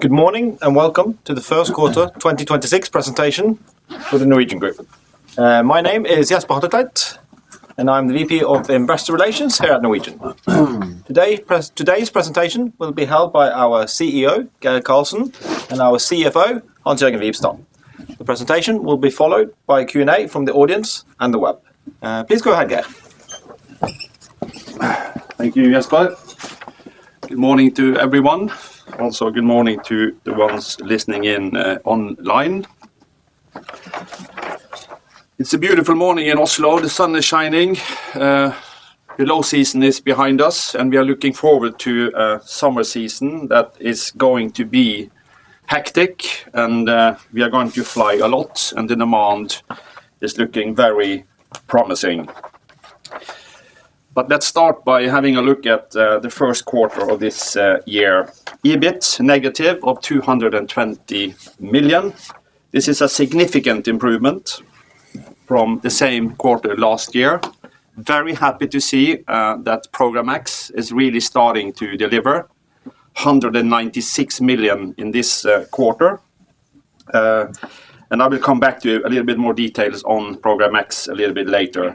Good morning, and welcome to the first quarter 2026 presentation for the Norwegian Group. My name is Jesper Hatletveit, and I'm the VP of Investor Relations here at Norwegian. Today's presentation will be held by our CEO, Geir Karlsen, and our CFO, Hans-Jørgen Wibstad. The presentation will be followed by a Q&A from the audience and the web. Please go ahead, Geir. Thank you, Jesper. Good morning to everyone. Also, good morning to the ones listening in online. It's a beautiful morning in Oslo. The sun is shining. The low season is behind us, and we are looking forward to a summer season that is going to be hectic and we are going to fly a lot, and the demand is looking very promising. Let's start by having a look at the first quarter of this year. EBIT negative of 200 million. This is a significant improvement from the same quarter last year. Very happy to see that Program X is really starting to deliver. 196 million in this quarter. And I will come back to a little bit more details on Program X a little bit later.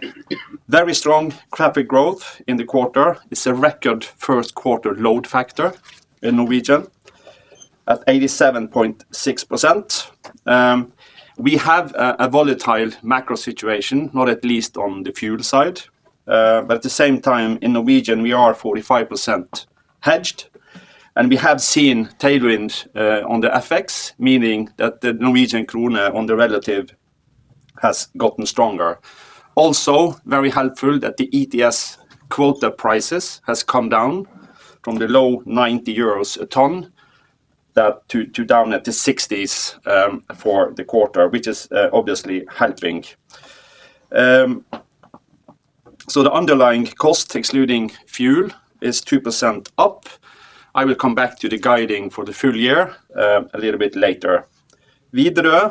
Very strong traffic growth in the quarter. It's a record first quarter load factor in Norwegian at 87.6%. We have a volatile macro situation, not least on the fuel side. But at the same time, in Norwegian we are 45% hedged, and we have seen tailwinds on the FX, meaning that the Norwegian krone on the relative has gotten stronger. Also, very helpful that the ETS quota prices has come down from the low 90 euros a ton to down at the 60s for the quarter, which is obviously helping. The underlying cost excluding fuel is 2% up. I will come back to the guidance for the full year a little bit later. Widerøe,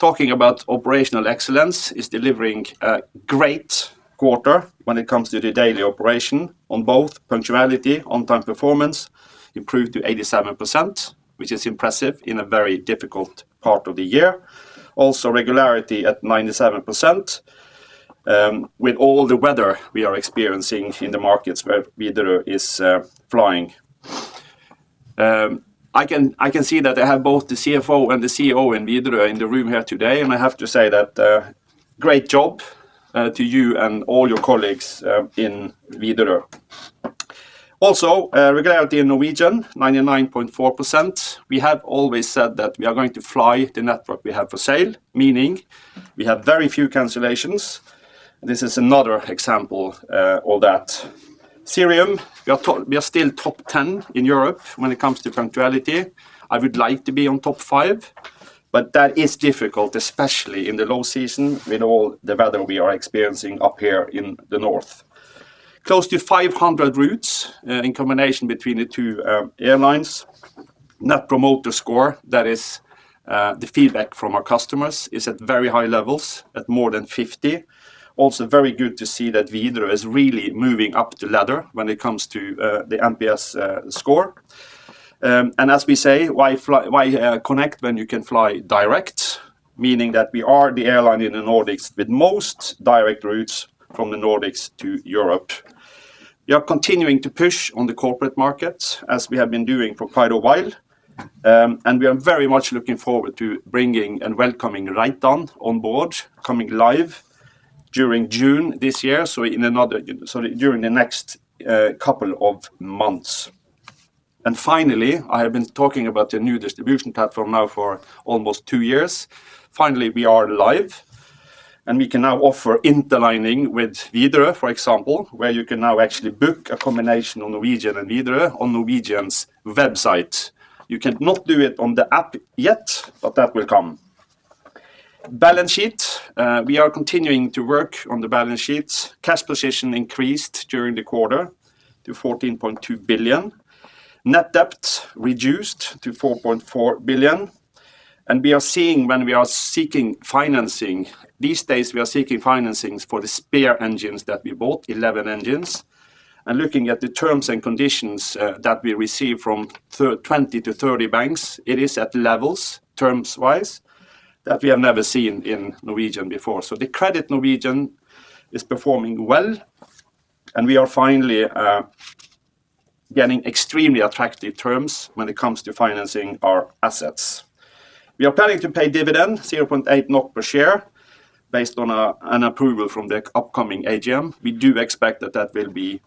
talking about operational excellence, is delivering a great quarter when it comes to the daily operation on both punctuality, on-time performance improved to 87%, which is impressive in a very difficult part of the year. Also, regularity at 97% with all the weather we are experiencing in the markets where Widerøe is flying. I can see that I have both the CFO and the CEO in Widerøe in the room here today, and I have to say that great job to you and all your colleagues in Widerøe. Also, regularity in Norwegian, 99.4%. We have always said that we are going to fly the network we have for sale, meaning we have very few cancellations. This is another example of that. Cirium, we are still top 10 in Europe when it comes to punctuality. I would like to be on top five, but that is difficult, especially in the low season with all the weather we are experiencing up here in the north. Close to 500 routes in combination between the two airlines. Net Promoter Score, that is the feedback from our customers, is at very high levels at more than 50. Also, very good to see that Widerøe is really moving up the ladder when it comes to the NPS score. As we say, why connect when you can fly direct? Meaning that we are the airline in the Nordics with most direct routes from the Nordics to Europe. We are continuing to push on the corporate markets, as we have been doing for quite a while, and we are very much looking forward to bringing and welcoming Reitan on board, coming live during the next couple of months. Finally, I have been talking about the new distribution platform now for almost two years. Finally, we are live, and we can now offer interlining with Widerøe, for example, where you can now actually book a combination on Norwegian and Widerøe on Norwegian's website. You cannot do it on the app yet, but that will come. Balance sheet. We are continuing to work on the balance sheet. Cash position increased during the quarter to 14.2 billion. Net debt reduced to 4.4 billion. We are seeing when we are seeking financing, these days we are seeking financings for the spare engines that we bought, 11 engines. Looking at the terms and conditions that we receive from 20 banks to 30 banks, it is at levels terms-wise that we have never seen in Norwegian before. The credit Norwegian is performing well, and we are finally getting extremely attractive terms when it comes to financing our assets. We are planning to pay dividend 0.8 per share based on an approval from the upcoming AGM. We do expect that that will be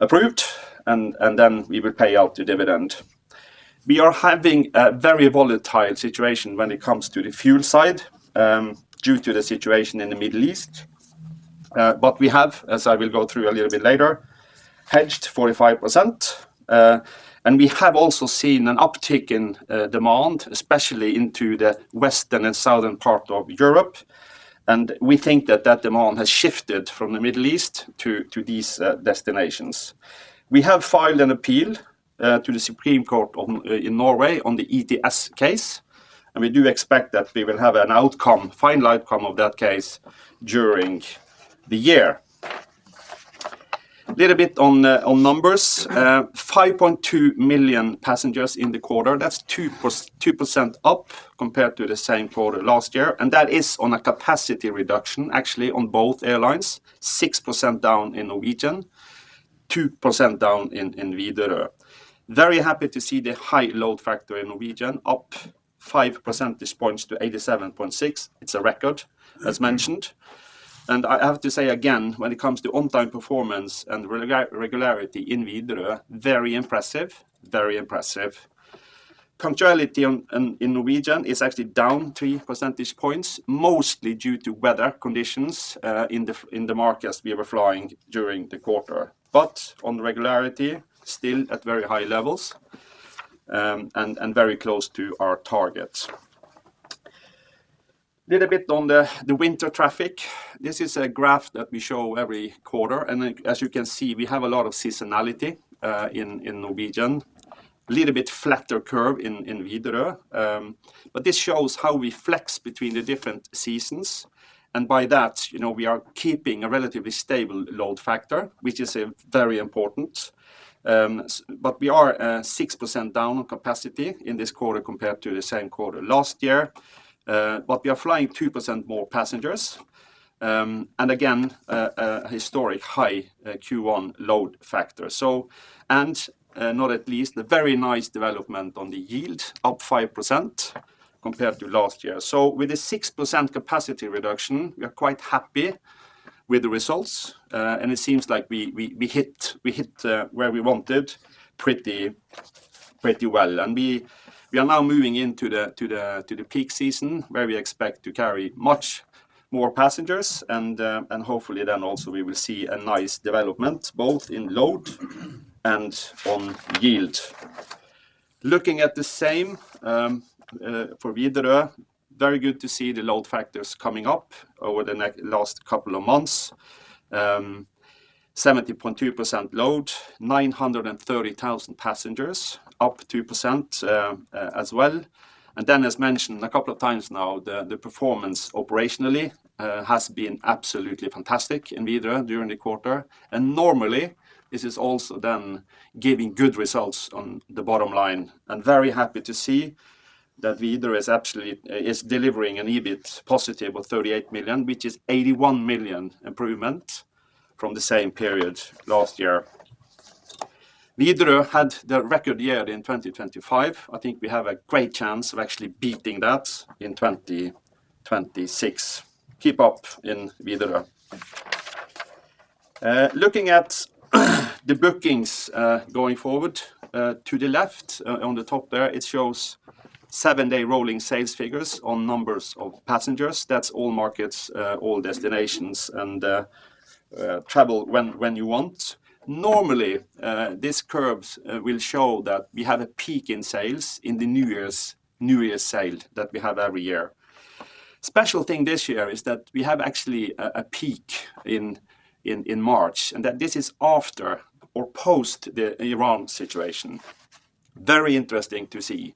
approved, and then we will pay out the dividend. We are having a very volatile situation when it comes to the fuel side due to the situation in the Middle East. We have, as I will go through a little bit later, hedged 45%, and we have also seen an uptick in demand, especially into the western and southern part of Europe, and we think that that demand has shifted from the Middle East to these destinations. We have filed an appeal to the Supreme Court of Norway on the ETS case, and we do expect that we will have an outcome, final outcome of that case during the year. A little bit on numbers. Mm-hmm. 5.2 million passengers in the quarter. That's 2% up compared to the same quarter last year, and that is on a capacity reduction, actually, on both airlines, 6% down in Norwegian, 2% down in Widerøe. Very happy to see the high load factor in Norwegian, up five percentage points to 87.6%. It's a record. Mm-hmm As mentioned. I have to say again, when it comes to on-time performance and regularity in Widerøe, very impressive. Punctuality in Norwegian is actually down 3 percentage points, mostly due to weather conditions in the markets we were flying during the quarter. But on regularity, still at very high levels, and very close to our targets. Little bit on the winter traffic. This is a graph that we show every quarter, and as you can see, we have a lot of seasonality in Norwegian. Little bit flatter curve in Widerøe. But this shows how we flex between the different seasons, and by that, you know, we are keeping a relatively stable load factor, which is very important. We are 6% down on capacity in this quarter compared to the same quarter last year. We are flying 2% more passengers, and again, historic high Q1 load factor. Not least the very nice development on the yield, up 5% compared to last year. With a 6% capacity reduction, we are quite happy with the results, and it seems like we hit where we wanted pretty well. We are now moving into the peak season, where we expect to carry much more passengers, and hopefully then also we will see a nice development both in load and on yield. Looking at the same for Widerøe, very good to see the load factors coming up over the last couple of months. 70.2% load, 930,000 passengers, up 2%, as well. As mentioned a couple of times now, the performance operationally has been absolutely fantastic in Widerøe during the quarter. Normally, this is also then giving good results on the bottom line. Very happy to see that Widerøe is absolutely delivering an EBIT positive of 38 million, which is 81 million improvement from the same period last year. Widerøe had their record year in 2025. I think we have a great chance of actually beating that in 2026. Keep up in Widerøe. Looking at the bookings going forward, to the left, on the top there, it shows seven-day rolling sales figures on numbers of passengers. That's all markets, all destinations and travel when you want. Normally, these curves will show that we have a peak in sales in the New Year's New Year sale that we have every year. Special thing this year is that we have actually a peak in March, and that this is after or post the Iran situation. Very interesting to see.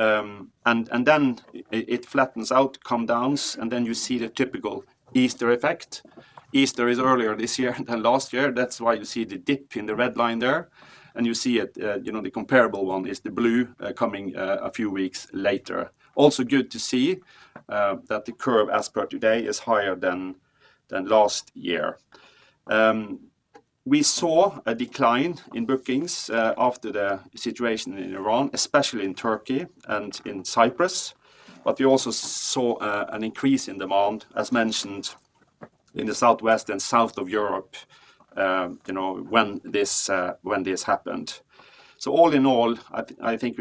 Then it flattens out, comes down, and you see the typical Easter effect. Easter is earlier this year than last year. That's why you see the dip in the red line there, and you see it, you know, the comparable one is the blue, coming a few weeks later. Also good to see that the curve as per today is higher than last year. We saw a decline in bookings after the situation in Iran, especially in Turkey and in Cyprus. We also saw an increase in demand, as mentioned, in the southwest and south of Europe, you know, when this happened. All in all, I think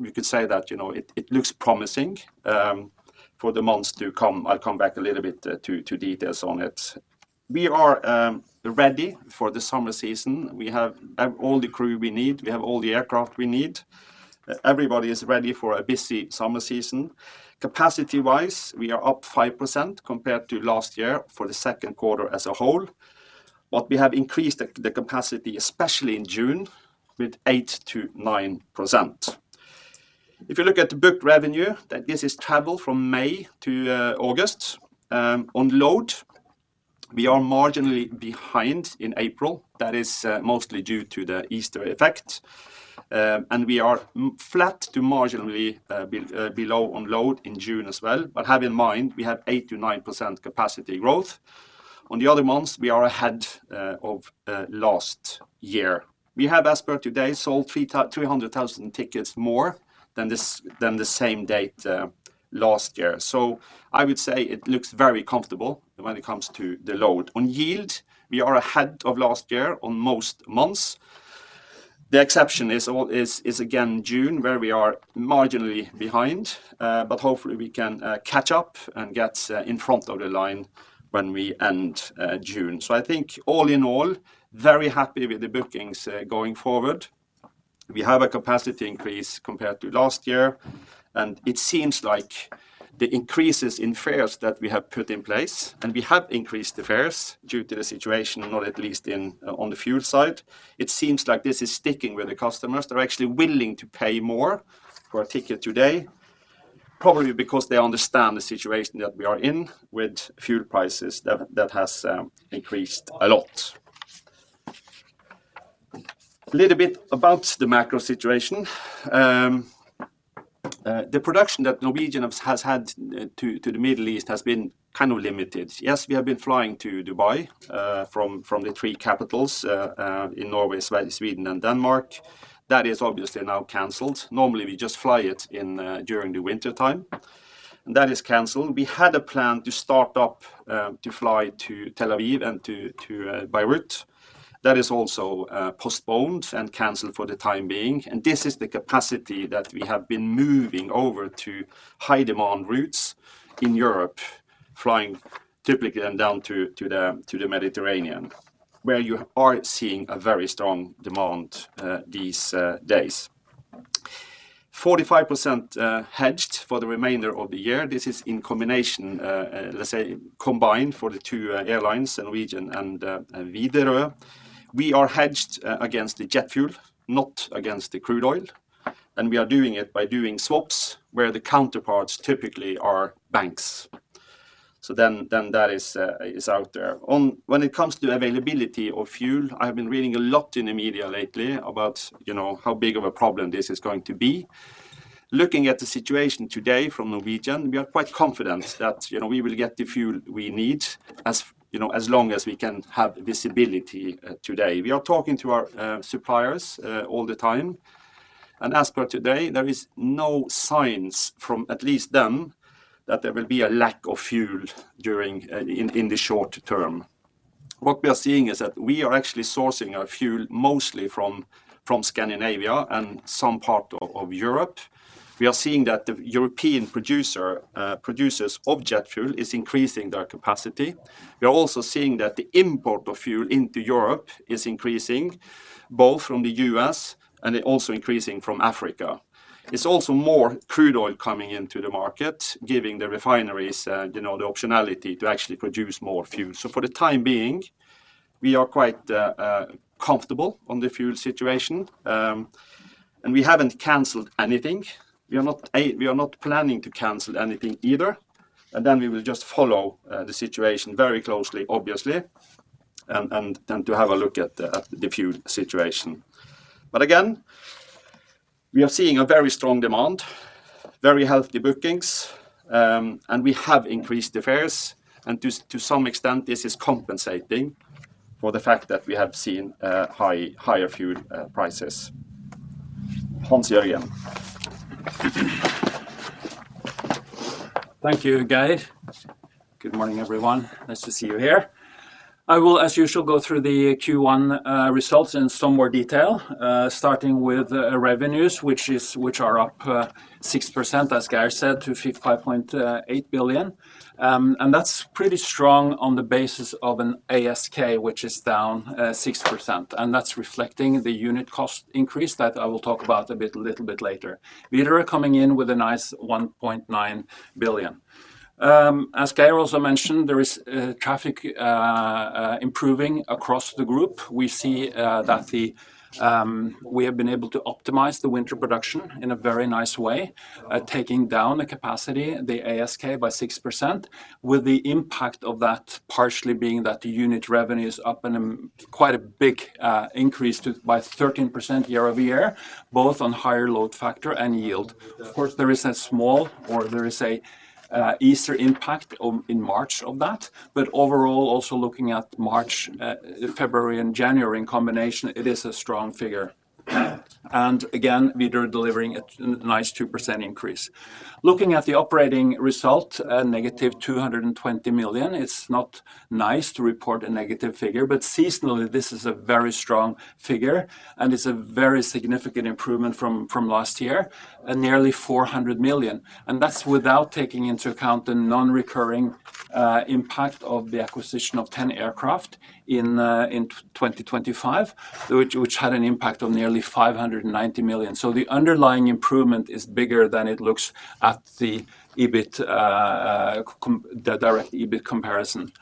we could say that, you know, it looks promising for the months to come. I'll come back a little bit to details on it. We are ready for the summer season. We have all the crew we need. We have all the aircraft we need. Everybody is ready for a busy summer season. Capacity-wise, we are up 5% compared to last year for the second quarter as a whole. We have increased the capacity, especially in June, with 8%-9%. If you look at the booked revenue, then this is travel from May to August. On load, we are marginally behind in April. That is mostly due to the Easter effect. We are flat to marginally below on load in June as well. Have in mind, we have 8%-9% capacity growth. On the other months, we are ahead of last year. We have, as per today, sold 300,000 tickets more than this, than the same date last year. I would say it looks very comfortable when it comes to the load. On yield, we are ahead of last year on most months. The exception is again June, where we are marginally behind. Hopefully we can catch up and get in front of the line when we end June. I think all in all, very happy with the bookings going forward. We have a capacity increase compared to last year, and it seems like the increases in fares that we have put in place, and we have increased the fares due to the situation, not at least in, on the fuel side. It seems like this is sticking with the customers. They're actually willing to pay more for a ticket today. Probably because they understand the situation that we are in with fuel prices that has increased a lot. Little bit about the macro situation. The production that Norwegian has had to the Middle East has been kind of limited. Yes, we have been flying to Dubai from the three capitals in Norway, Sweden and Denmark. That is obviously now canceled. Normally, we just fly it in during the wintertime, and that is canceled. We had a plan to start up to fly to Tel Aviv and to Beirut. That is also postponed and canceled for the time being, and this is the capacity that we have been moving over to high-demand routes in Europe, flying typically down to the Mediterranean, where you are seeing a very strong demand these days. 45% hedged for the remainder of the year. This is in combination, let's say combined for the two airlines, Norwegian and Widerøe. We are hedged against the jet fuel, not against the crude oil, and we are doing it by doing swaps where the counterparts typically are banks. That is out there. On when it comes to availability of fuel, I have been reading a lot in the media lately about, you know, how big of a problem this is going to be. Looking at the situation today from Norwegian, we are quite confident that, you know, we will get the fuel we need you know, as long as we can have visibility today. We are talking to our suppliers all the time, and as per today, there is no signs from at least them that there will be a lack of fuel in the short term. What we are seeing is that we are actually sourcing our fuel mostly from Scandinavia and some part of Europe. We are seeing that the European producers of jet fuel is increasing their capacity. We are also seeing that the import of fuel into Europe is increasing both from the U.S. and also increasing from Africa. It's also more crude oil coming into the market, giving the refineries, you know, the optionality to actually produce more fuel. For the time being, we are quite comfortable on the fuel situation, and we haven't canceled anything. We are not planning to cancel anything either, and then we will just follow the situation very closely, obviously, and then to have a look at the fuel situation. Again, we are seeing a very strong demand, very healthy bookings, and we have increased the fares, and to some extent, this is compensating for the fact that we have seen higher fuel prices. Hans-Jørgen. Thank you, Geir. Good morning, everyone. Nice to see you here. I will, as usual, go through the Q1 results in some more detail, starting with the revenues, which are up 6%, as Geir said, to 55.8 billion. That's pretty strong on the basis of an ASK, which is down 6%, and that's reflecting the unit cost increase that I will talk about a little bit later. Widerøe coming in with a nice 1.9 billion. As Geir also mentioned, there is traffic improving across the group. We see that we have been able to optimize the winter production in a very nice way, taking down the capacity, the ASK, by 6%, with the impact of that partially being that the unit revenue is up and quite a big increase by 13% year-over-year, both on higher load factor and yield. Of course, there is a small Easter impact in March of that, but overall, also looking at March, February and January in combination, it is a strong figure. Again, Widerøe delivering a nice 2% increase. Looking at the operating result, a negative 220 million, it's not nice to report a negative figure, but seasonally this is a very strong figure, and it's a very significant improvement from last year, nearly 400 million. That's without taking into account the non-recurring impact of the acquisition of 10 aircraft in 2025, which had an impact of nearly 590 million. The underlying improvement is bigger than it looks at the EBIT, the direct EBIT comparison.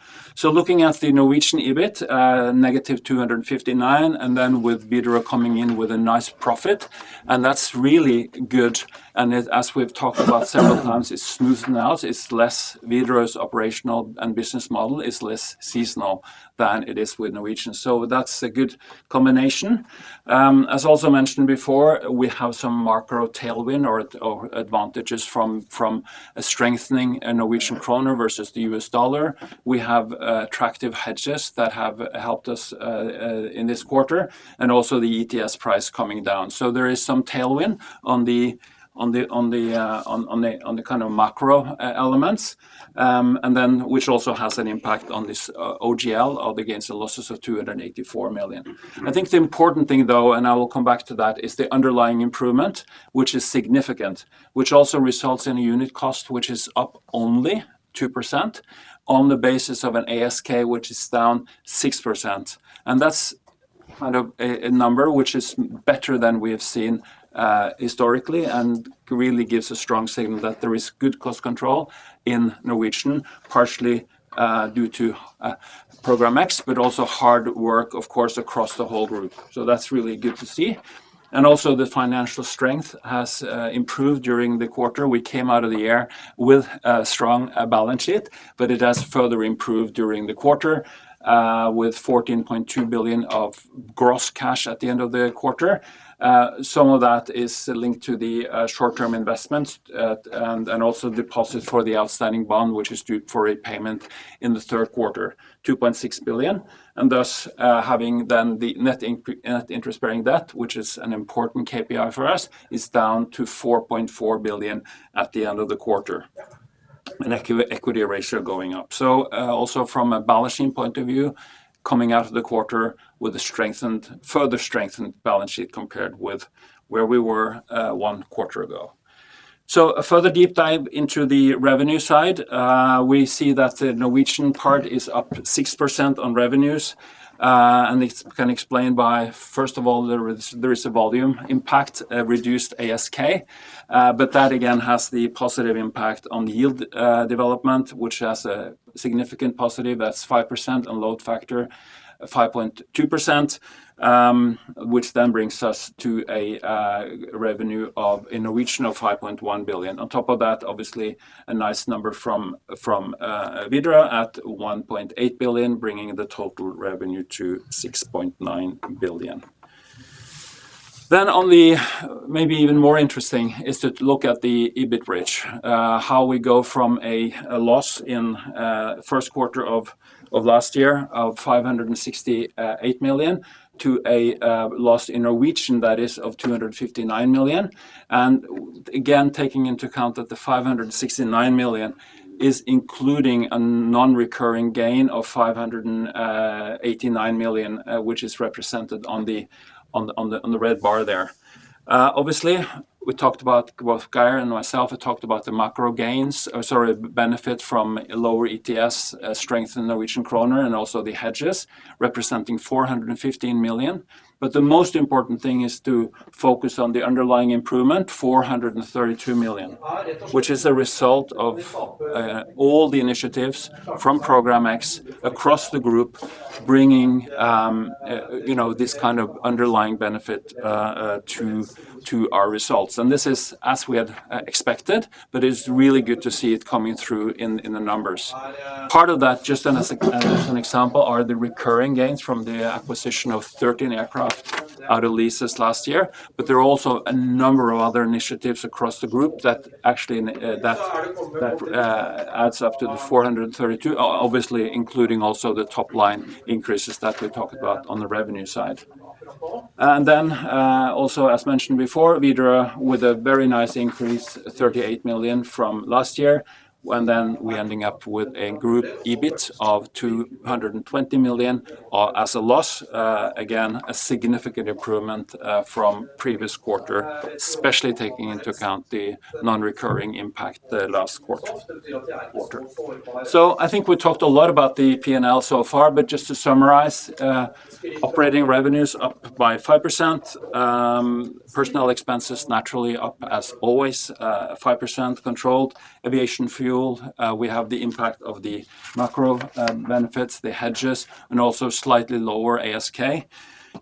Looking at the Norwegian EBIT, negative 259 million, and then with Widerøe coming in with a nice profit, and that's really good. As we've talked about several times, it's smoothing out. Widerøe's operational and business model is less seasonal than it is with Norwegian. That's a good combination. As also mentioned before, we have some macro tailwind or advantages from a strengthening in Norwegian kroner versus the U.S. dollar. We have attractive hedges that have helped us in this quarter, and also the ETS price coming down. There is some tailwind on the kind of macro elements, and then which also has an impact on this OGL offset against the losses of 284 million. I think the important thing though, and I will come back to that, is the underlying improvement, which is significant, which also results in a unit cost which is up only 2% on the basis of an ASK which is down 6%. That's kind of a number which is better than we have seen historically and really gives a strong signal that there is good cost control in Norwegian, partially due to Program X, but also hard work, of course, across the whole group. That's really good to see. Also the financial strength has improved during the quarter. We came out of the year with a strong balance sheet, but it has further improved during the quarter with 14.2 billion of gross cash at the end of the quarter. Some of that is linked to the short-term investments and also deposits for the outstanding bond, which is due for a payment in the third quarter, 2.6 billion. Thus, having then the net interest bearing debt, which is an important KPI for us, is down to 4.4 billion at the end of the quarter and equity ratio going up. Also from a balance point of view, coming out of the quarter with a further strengthened balance sheet compared with where we were one quarter ago. A further deep dive into the revenue side. We see that the Norwegian part is up 6% on revenues. And this can be explained by, first of all, there is a volume impact, a reduced ASK. But that again has the positive impact on the yield development, which has a significant positive. That's 5% on load factor, 5.2%, which then brings us to a revenue of 5.1 billion in Norwegian. On top of that, obviously a nice number from Widerøe at 1.8 billion, bringing the total revenue to 6.9 billion. On the maybe even more interesting is to look at the EBIT bridge. How we go from a loss in first quarter of last year of 568 million to a loss in Norwegian that is of 259 million. Again, taking into account that the 569 million is including a non-recurring gain of 589 million, which is represented on the red bar there. Obviously, we talked about both Geir and myself have talked about the macro gains, or sorry, benefit from lower ETS, strengthening of the Norwegian kroner and also the hedges representing 415 million. The most important thing is to focus on the underlying improvement, 432 million, which is a result of all the initiatives from Program X across the group bringing, you know, this kind of underlying benefit to our results. This is as we had expected, but it's really good to see it coming through in the numbers. Part of that, just as an example, are the recurring gains from the acquisition of 13 aircraft out of leases last year. There are also a number of other initiatives across the group that actually adds up to 432 million, obviously including also the top-line increases that we talked about on the revenue side. Also as mentioned before, Widerøe with a very nice increase, 38 million from last year. We end up with a group EBIT of 220 million as a loss. Again, a significant improvement from previous quarter, especially taking into account the non-recurring impact last quarter. I think we talked a lot about the P&L so far, but just to summarize, operating revenues up by 5%. Personnel expenses naturally up as always, 5% controlled. Aviation fuel, we have the impact of the macro benefits, the hedges and also slightly lower ASK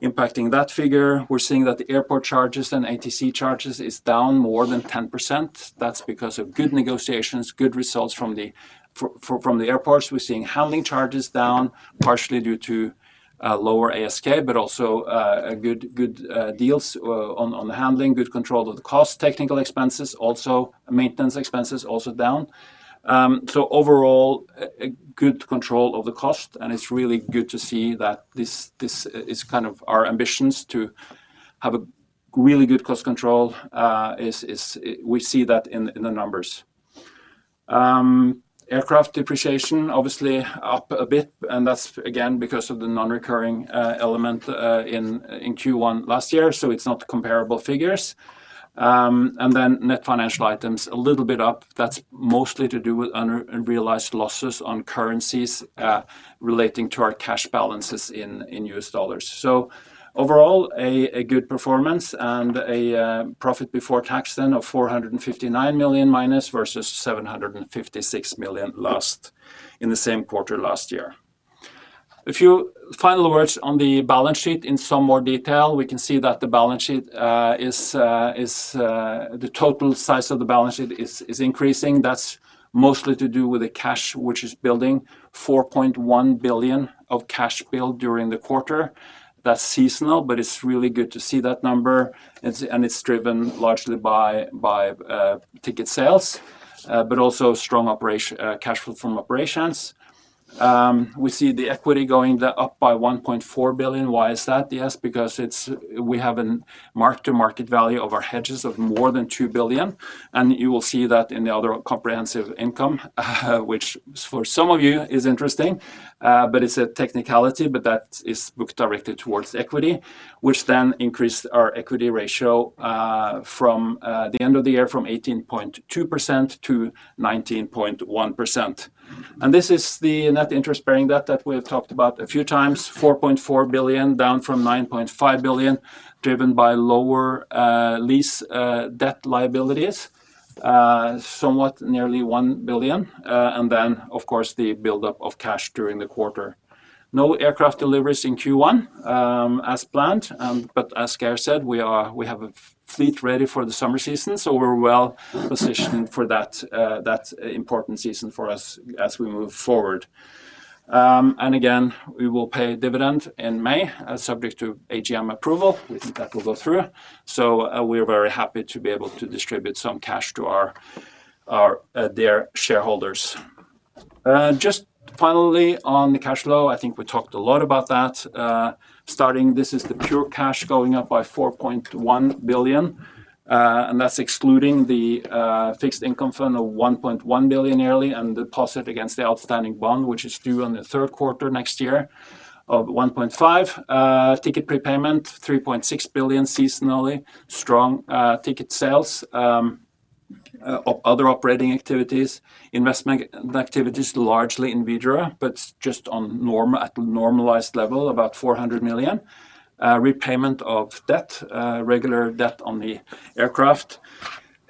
impacting that figure. We're seeing that the airport charges and ATC charges is down more than 10%. That's because of good negotiations, good results from the airports. We're seeing handling charges down partially due to lower ASK, but also good deals on the handling, good control of the cost. Technical expenses also, maintenance expenses also down. Overall, a good control of the cost and it's really good to see that this is kind of our ambitions to have a really good cost control. We see that in the numbers. Aircraft depreciation obviously up a bit, and that's again because of the non-recurring element in Q1 last year, so it's not comparable figures. Net financial items a little bit up. That's mostly to do with unrealized losses on currencies relating to our cash balances in U.S. dollars. Overall a good performance and a profit before tax of -459 million versus -756 million lost in the same quarter last year. A few final words on the balance sheet in some more detail. We can see that the total size of the balance sheet is increasing. That's mostly to do with the cash, which is building 4.1 billion of cash build during the quarter. That's seasonal, but it's really good to see that number. It's and it's driven largely by ticket sales, but also strong operational cash flow from operations. We see the equity going up by 1.4 billion. Why is that? Yes, because we have a mark to market value of our hedges of more than 2 billion, and you will see that in the other comprehensive income, which for some of you is interesting, but it's a technicality. But that is booked directly towards equity, which then increased our equity ratio from the end of the year from 18.2% to 19.1%. This is the net interest bearing debt that we have talked about a few times, 4.4 billion, down from 9.5 billion, driven by lower lease debt liabilities. Somewhat nearly 1 billion. And then of course the buildup of cash during the quarter. No aircraft deliveries in Q1, as planned. But as Geir said, we have a fleet ready for the summer season, so we're well-positioned for that important season for us as we move forward. And again, we will pay dividend in May, subject to AGM approval. We think that will go through. We're very happy to be able to distribute some cash to our dear shareholders. Just finally on the cash flow, I think we talked a lot about that. Starting, this is the net cash going up by 4.1 billion, and that's excluding the fixed income fund of 1.1 billion yearly and the deposit against the outstanding bond, which is due in the third quarter next year of 1.5 billion. Ticket prepayment, 3.6 billion seasonally. Strong ticket sales. Other operating activities. Investment activities largely in Widerøe, but just on a normalized level about 400 million. Repayment of debt, regular debt on the aircraft,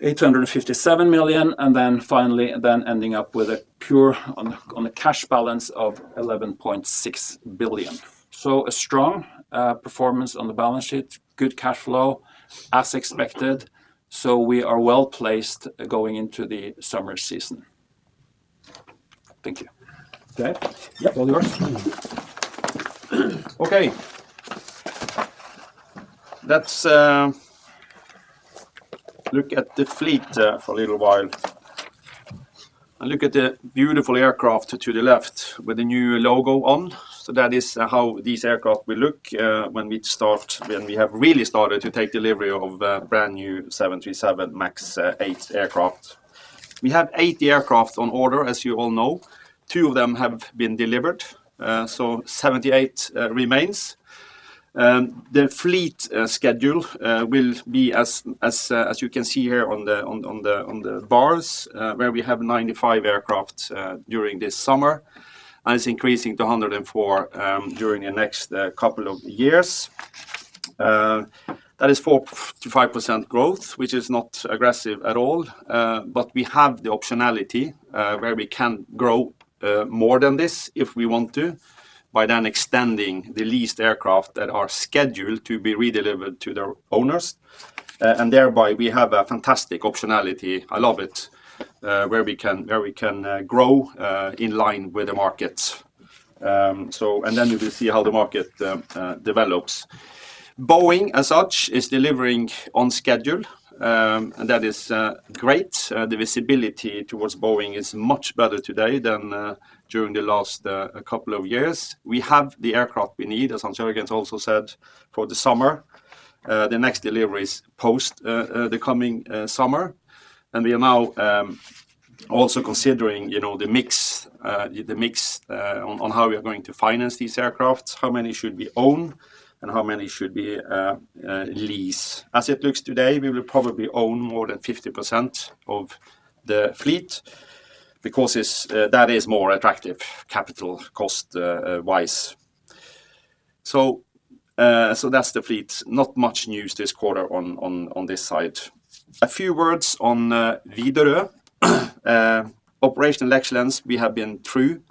857 million. Finally, ending up with a net cash balance of 11.6 billion. A strong performance on the balance sheet, good cash flow as expected. We are well-placed going into the summer season. Thank you. Okay. Yeah. All yours. Okay. Let's look at the fleet for a little while, and look at the beautiful aircraft to the left with the new logo on. That is how these aircraft will look when we start, when we have really started to take delivery of brand-new 737 MAX 8 aircraft. We have 80 aircraft on order, as you all know. Two of them have been delivered, so 78 remains. The fleet schedule will be as you can see here on the bars where we have 95 aircraft during this summer, and it's increasing to 104 during the next couple of years. That is 4%-5% growth, which is not aggressive at all. We have the optionality where we can grow more than this if we want to, by then extending the leased aircraft that are scheduled to be redelivered to their owners. And thereby we have a fantastic optionality, I love it, where we can grow in line with the markets. We will see how the market develops. Boeing as such is delivering on schedule, and that is great. The visibility towards Boeing is much better today than during the last couple of years. We have the aircraft we need, as Hans-Jørgen Wibstad also said, for the summer. The next delivery is post the coming summer, and we are now also considering you know the mix on how we are going to finance these aircrafts, how many should we own and how many should we lease. As it looks today, we will probably own more than 50% of the fleet because it's, that is, more attractive capital cost-wise. That's the fleet. Not much news this quarter on this side. A few words on Widerøe. Operational excellence we have been through.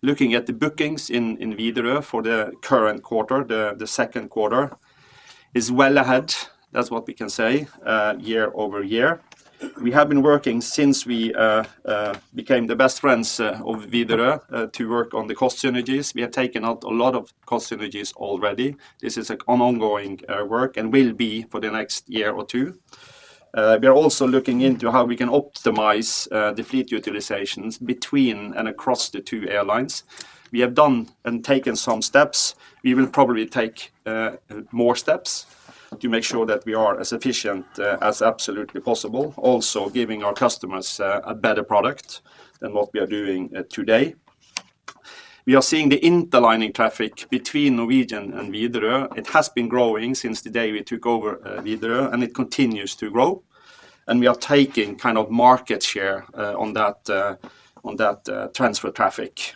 Looking at the bookings in Widerøe for the current quarter, the second quarter is well ahead. That's what we can say year-over-year. We have been working since we became the best friends of Widerøe to work on the cost synergies. We have taken out a lot of cost synergies already. This is an ongoing work and will be for the next year or two. We are also looking into how we can optimize the fleet utilizations between and across the two airlines. We have done and taken some steps. We will probably take more steps to make sure that we are as efficient as absolutely possible, also giving our customers a better product than what we are doing today. We are seeing the interlining traffic between Norwegian and Widerøe. It has been growing since the day we took over Widerøe, and it continues to grow, and we are taking kind of market share on that transfer traffic.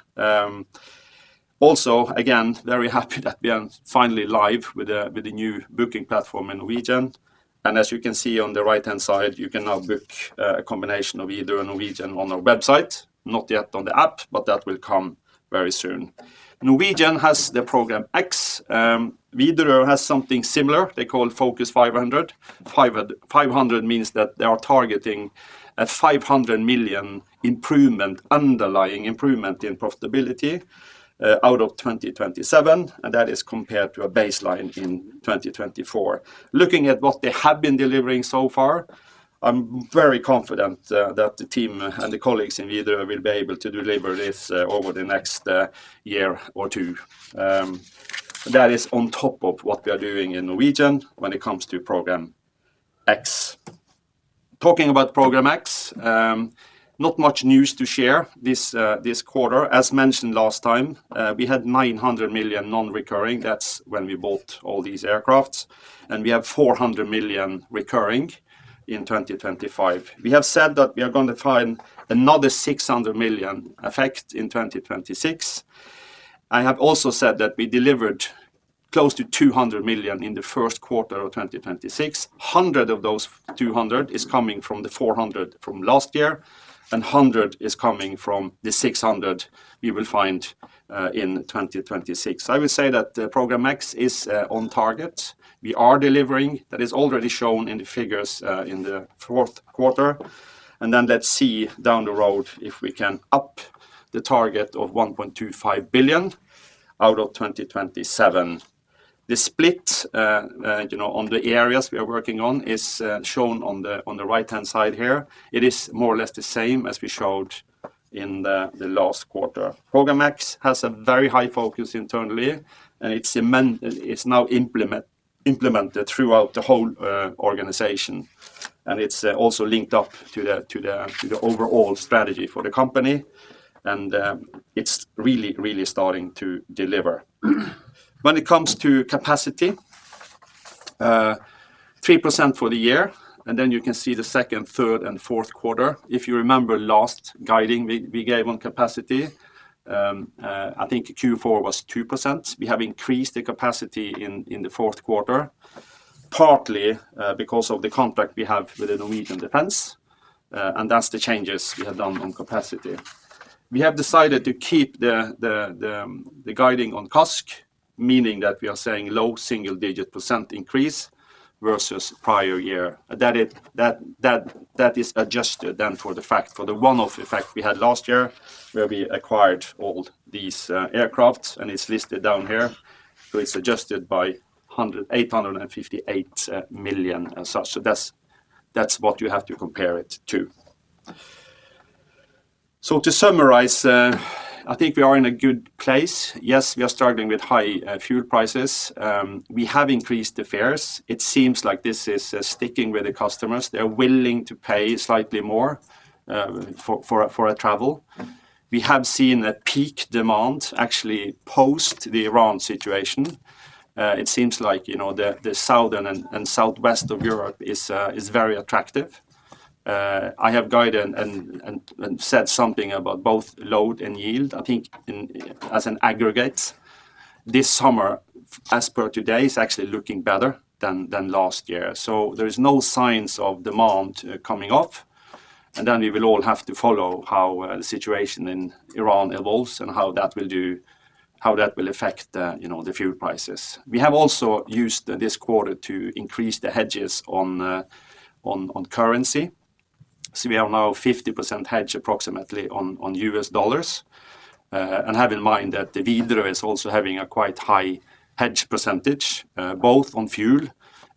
Also, again, very happy that we are finally live with the new booking platform in Norwegian. As you can see on the right-hand side, you can now book a combination of either a Norwegian on our website, not yet on the app, but that will come very soon. Norwegian has the Program X. Widerøe has something similar. They call Focus 500. 500 means that they are targeting a 500 million improvement, underlying improvement in profitability, out of 2027, and that is compared to a baseline in 2024. Looking at what they have been delivering so far, I'm very confident that the team and the colleagues in Widerøe will be able to deliver this over the next year or two. That is on top of what we are doing in Norwegian when it comes to Program X. Talking about Program X, not much news to share this quarter. As mentioned last time, we had 900 million non-recurring. That's when we bought all these aircraft, and we have 400 million recurring in 2025. We have said that we are gonna find another 600 million effect in 2026. I have also said that we delivered close to 200 million in the first quarter of 2026. Hundred of those 200 is coming from the 400 from last year, and 100 is coming from the 600 we will find in 2026. I would say that the Program X is on target. We are delivering. That is already shown in the figures in the fourth quarter. Then let's see down the road if we can up the target of 1.25 billion out of 2027. The split, you know, on the areas we are working on is shown on the right-hand side here. It is more or less the same as we showed in the last quarter. Program X has a very high focus internally, and it's now implemented throughout the whole organization. It's also linked up to the overall strategy for the company. It's really starting to deliver. When it comes to capacity, 3% for the year, and then you can see the second, third, and fourth quarter. If you remember last guiding we gave on capacity, I think Q4 was 2%. We have increased the capacity in the fourth quarter, partly because of the contract we have with the Norwegian Armed Forces, and that's the changes we have done on capacity. We have decided to keep the guiding on CASK, meaning that we are saying low single-digit percent increase versus prior year. That is adjusted for the one-off effect we had last year where we acquired all these aircraft, and it's listed down here. It's adjusted by 858 million. That's what you have to compare it to. To summarize, I think we are in a good place. Yes, we are struggling with high fuel prices. We have increased the fares. It seems like this is sticking with the customers. They're willing to pay slightly more for a travel. We have seen a peak demand actually post the Iran situation. It seems like, you know, the south and southwest of Europe is very attractive. I have guided and said something about both load and yield, I think as an aggregate. This summer, as per today, is actually looking better than last year. There is no signs of demand coming off. We will all have to follow how the situation in Iran evolves and how that will affect, you know, the fuel prices. We have also used this quarter to increase the hedges on currency. We have now 50% hedge approximately on U.S. dollars. And have in mind that the Widerøe is also having a quite high hedge percentage both on fuel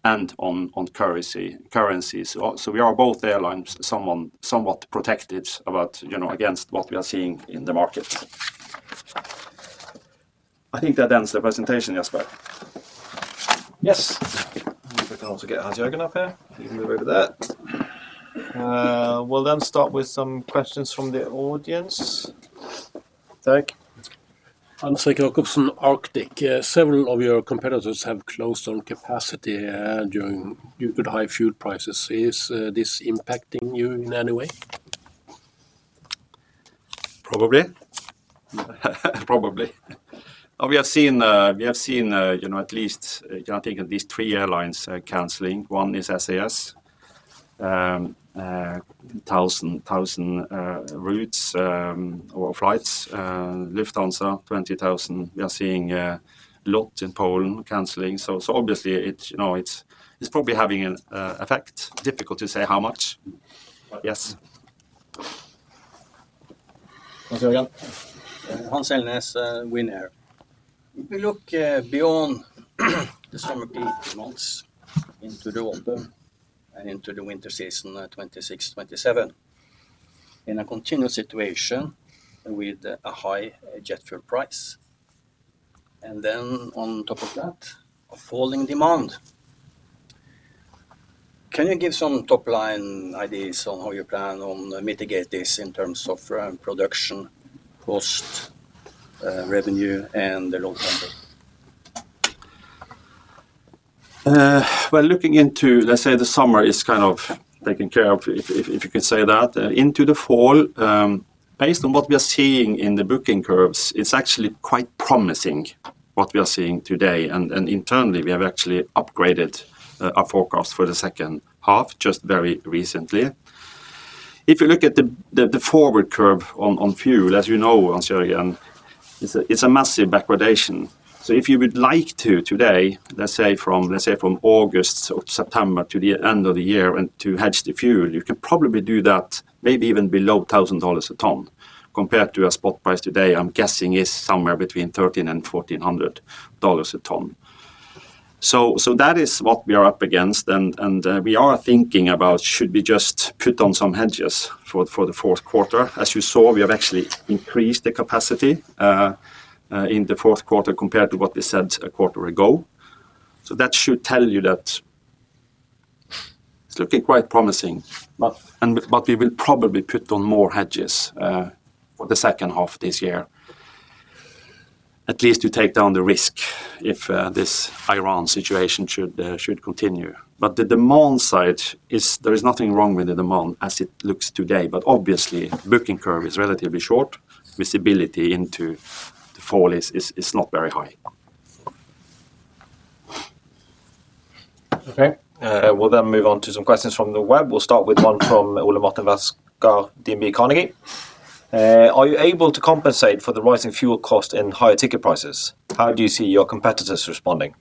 and on currencies. Also we are both airlines, somewhat protected, you know, against what we are seeing in the market. I think that ends the presentation, Jesper. Yes. If we can also get Hans-Jørgen up here. You can move over there. We'll then start with some questions from the audience. Thank. Hans Erik Jacobsen, Arctic. Several of your competitors have cut capacity due to the high fuel prices. Is this impacting you in any way? Probably. We have seen, you know, at least, I think at least three airlines canceling. One is SAS, 1,000 routes or flights. Lufthansa, 20,000. We are seeing LOT Polish Airlines in Poland canceling. Obviously it's, you know, it's probably having an effect. Difficult to say how much. Yes. Hans Jørgen. Hans Jørgen Elnæs, WINAIR. If we look beyond the summer peak months into the autumn and into the winter season, 2026, 2027, in a continuous situation with a high jet fuel price, and then on top of that, a falling demand, can you give some top-line ideas on how you plan on mitigate this in terms of production, cost, revenue, and the long term? Well, looking into, let's say, the summer is kind of taken care of, if you can say that. Into the fall, based on what we are seeing in the booking curves, it's actually quite promising what we are seeing today. Internally, we have actually upgraded our forecast for the second half just very recently. If you look at the forward curve on fuel, as you know, Hans Jørgen, it's a massive backwardation. So if you would like to today, let's say from August or September to the end of the year and to hedge the fuel, you can probably do that maybe even below $1000 a ton compared to a spot price today, I'm guessing, is somewhere between $1300 and $1400 a ton. That is what we are up against. We are thinking about should we just put on some hedges for the fourth quarter. As you saw, we have actually increased the capacity in the fourth quarter compared to what we said a quarter ago. That should tell you that it's looking quite promising. We will probably put on more hedges for the second half this year, at least to take down the risk if this Iran situation should continue. The demand side, there is nothing wrong with the demand as it looks today. Obviously, booking curve is relatively short. Visibility into the fall is not very high. Okay. We'll then move on to some questions from the web. We'll start with one from Ole-Mathias Nes, DNB Carnegie. Are you able to compensate for the rising fuel cost and higher ticket prices? How do you see your competitors responding?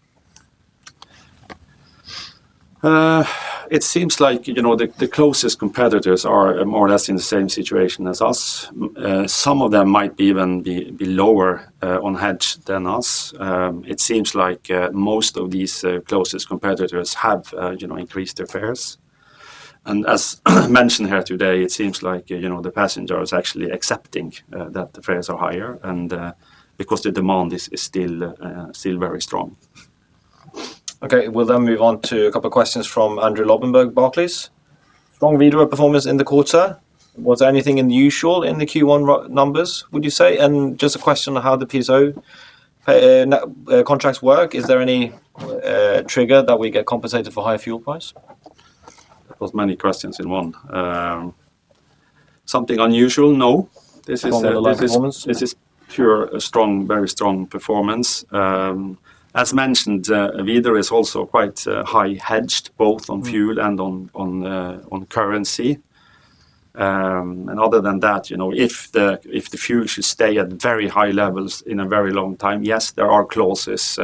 It seems like, you know, the closest competitors are more or less in the same situation as us. Some of them might even be lower on hedge than us. It seems like most of these closest competitors have, you know, increased their fares. As mentioned here today, it seems like, you know, the passenger is actually accepting that the fares are higher and because the demand is still very strong. Okay. We'll then move on to a couple questions from Andrew Lobbenberg, Barclays. Stronger performance in the quarter, was there anything unusual in the Q1 r-numbers, would you say? Just a question on how the PSO contracts work, is there any trigger that we get compensated for higher fuel price? That was many questions in one. Something unusual? No. This is Along the line of performance. This is pure, strong, very strong performance. As mentioned, Widerøe is also quite high hedged both on fuel and on currency. Other than that, you know, if the fuel should stay at very high levels in a very long time, yes, there are clauses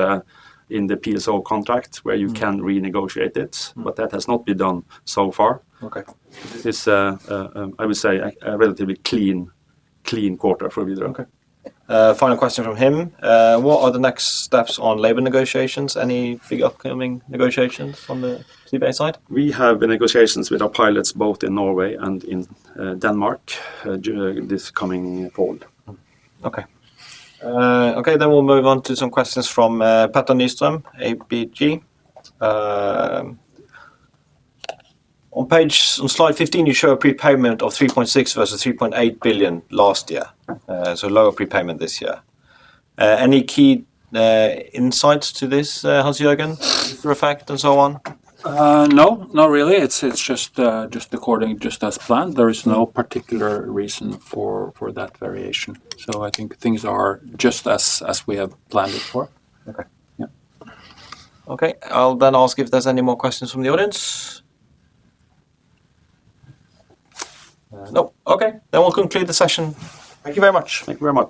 in the PSO contract where you can renegotiate it, but that has not been done so far. Okay. This is a relatively clean quarter for Widerøe. Okay. Final question from him. What are the next steps on labor negotiations? Any big upcoming negotiations from the CBA side? We have negotiations with our pilots both in Norway and in Denmark this coming fall. We'll move on to some questions from Petter Nystrøm, ABG. On slide 15, you show a prepayment of 3.6 billion versus 3.8 billion last year, so lower prepayment this year. Any key insights to this, Hans-Jørgen, FX effect and so on? No. Not really. It's just as planned. There is no particular reason for that variation. I think things are just as we have planned it for. Okay. Yeah. Okay. I'll then ask if there's any more questions from the audience. Nope. Okay, then we'll conclude the session. Thank you very much. Thank you very much.